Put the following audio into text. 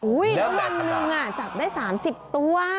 อุ้ยทั้งวันหนึ่งจับได้๓๐ตัว